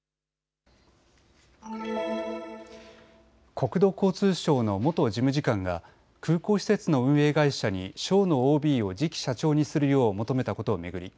国土交通省の元事務次官が空港施設の運営会社に省のＯＢを次期社長にするよう求めたことを巡り